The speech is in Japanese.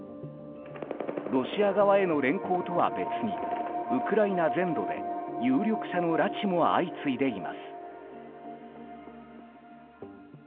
ロシア側への連行とは別にウクライナ全土で有力者の拉致も相次いでいます。